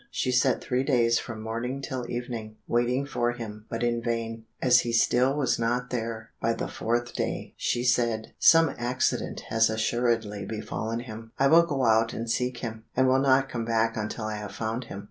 She sat three days from morning till evening, waiting for him, but in vain. As he still was not there by the fourth day, she said, "Some accident has assuredly befallen him. I will go out and seek him, and will not come back until I have found him."